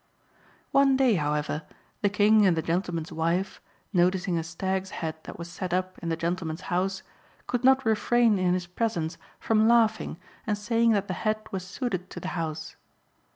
One day, however, the King and the gentleman's wife, noticing a stag's head that was set up in the gentleman's house, could not refrain in his presence from laughing and saying that the head was suited to the house.